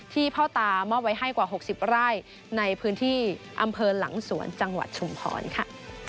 พ่อตามอบไว้ให้กว่า๖๐ไร่ในพื้นที่อำเภอหลังสวนจังหวัดชุมพรค่ะ